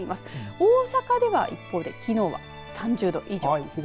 大阪では一方できのうは３０度以上。